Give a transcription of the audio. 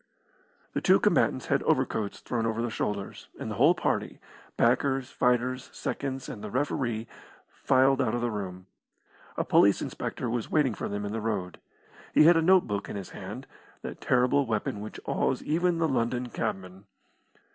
The two combatants had overcoats thrown over their shoulders, and the whole party, backers, fighters, seconds, and the referee filed out of the room. A police inspector was waiting for them in the road. He had a note book in his hand that terrible weapon which awes even the London cabman.